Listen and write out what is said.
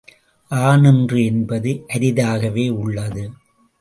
ஆநின்று என்பது அரிதாகவே உள்ளது.